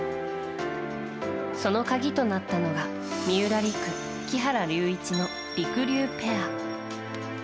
その鍵となったのが三浦璃来、木原龍一のりくりゅうペア。